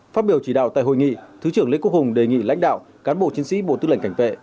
phát biểu chỉ đạo tại hội nghị thứ trưởng lê quốc hùng đề nghị lãnh đạo cán bộ chiến sĩ bộ tư lệnh cảnh vệ